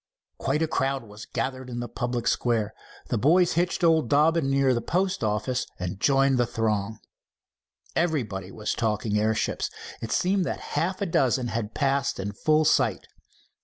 Quite a crowd was gathered in the public square. The boys hitched old Dobbin near the post office and joined the throng. Everybody was talking airships. It seemed that half a dozen had passed in full sight.